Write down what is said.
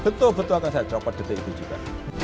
betul betul akan saya copot di ttip juga